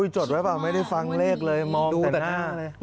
จดไว้ป่ะไม่ได้ฟังเลขเลยมองแต่หน้า